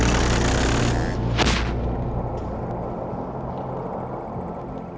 margaret margaret margaret bukan itu